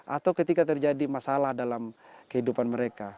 atau ketika terjadi masalah dalam kehidupan mereka